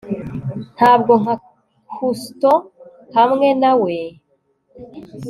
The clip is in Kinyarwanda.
ntabwo nka cousteau hamwe na we